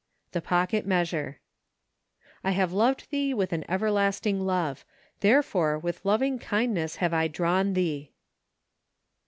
The Pocket Measure. " I have loved thee with an everlasting love: there¬ fore with lovingkindness have I drawn thee."